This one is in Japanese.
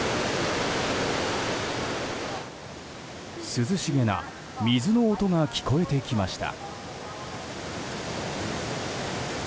涼しげな水の音が聞こえてきました。